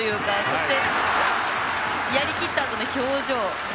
そしてやりきったあとの表情。